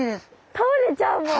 倒れちゃうもう。